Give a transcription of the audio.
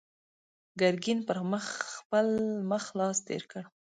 ګرګين پر خپل مخ لاس تېر کړ.